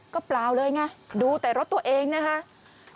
ก็เปล่าเลยไงดูแต่รถตัวเองนะครับ